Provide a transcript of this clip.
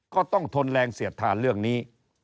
ต้องทนแรงเสียดทานเรื่องนี้